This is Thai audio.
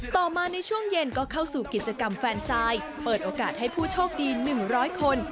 ต่อมาในช่วงเย็นก็เข้าสู่กิจกรรมแฟนทรายเปิดโอกาสให้ผู้โชคดี๑๐๐คน